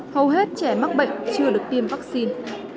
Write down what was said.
hầu hết trẻ mắc bệnh chưa được tiêm vaccine